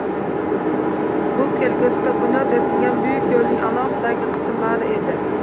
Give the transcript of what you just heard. Bu kelgusida bunyod etilgan Buyuk yoʻlning aloxidagi qismlari edi.